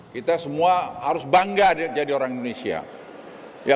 kita semua harus bangga jadi orang indonesia